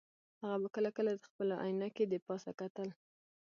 هغه به کله کله د خپلو عینکې د پاسه کتل